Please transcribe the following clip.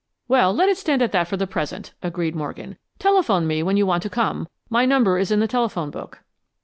"Well, let it stand at that for the present," agreed Morgan. "Telephone me when you want to come. My number is in the telephone book."